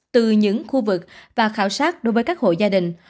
từ những khu vực và khảo sát đối với các hộ gia đình